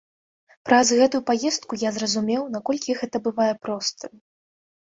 Праз гэтую паездку я зразумеў, наколькі гэта бывае простым.